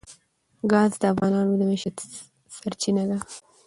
ګاز د افغانانو د معیشت سرچینه ده.